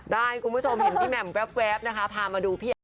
ได้คุณผู้ชมเห็นพี่แหม่มแว๊บนะคะพามาดูพี่อัน